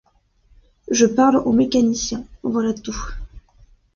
Je parle en mécanicien, voilà tout.